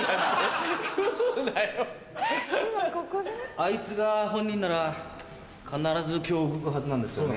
あいつが犯人なら必ず今日動くはずなんですけどね。